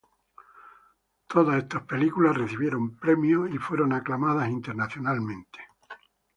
Todas estas películas recibieron premios y fueron aclamadas internacionalmente.